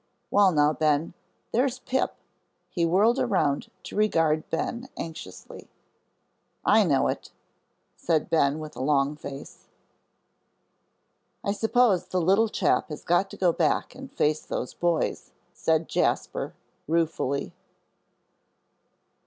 Well now, Ben, there's Pip!" He whirled around to regard Ben anxiously. "I know it," said Ben, with a long face. "I suppose the little chap has got to go back and face those boys," said Jasper, ruefully.